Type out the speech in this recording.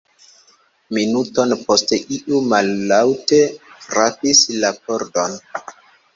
Minuton poste iu mallaŭte frapis la pordon.